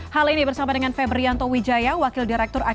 halo selamat malam